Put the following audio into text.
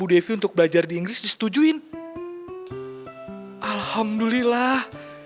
aduh aduh aduh